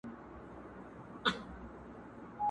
اوس به دې خپل وي آینده به ستا وي!